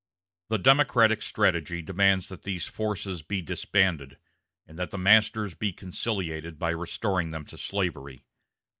The Democratic strategy demands that these forces be disbanded, and that the masters be conciliated by restoring them to slavery....